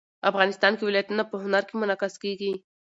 افغانستان کې ولایتونه په هنر کې منعکس کېږي.